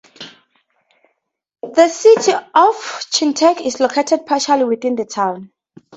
The City of Chetek is located partially within the town.